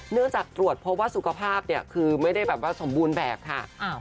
เนื่องจากตรวจพบว่าสุขภาพคือมันไม่ได้สมบูรณ์แบบค่ะ